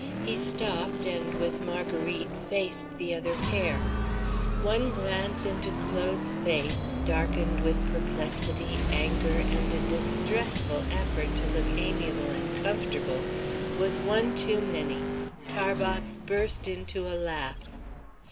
He stopped, and with Marguerite faced the other pair. One glance into Claude's face, darkened with perplexity, anger, and a distressful effort to look amiable and comfortable, was one too many; Tarbox burst into a laugh.